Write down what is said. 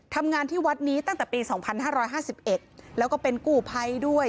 ทำงานที่วัดนี้ตั้งแต่ปีสองพันห้าร้อยห้าสิบเอ็ดแล้วก็เป็นกู่ภัยด้วย